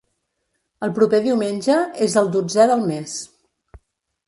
El proper diumenge és el dotzè del més.